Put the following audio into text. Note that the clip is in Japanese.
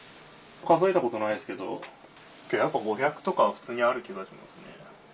数えたことないですけど５００とかは普通にある気がしますね。